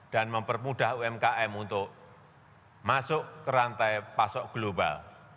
dan mempermudah umkm untuk masuk ke rantai pasok global